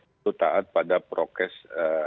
itu taat pada prokes